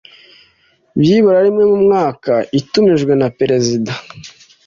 byibura rimwe mu mwaka itumijwe na Perezida